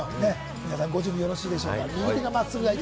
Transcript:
皆さんご準備よろしいですか？